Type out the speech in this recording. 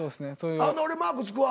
あの俺マークつくわ。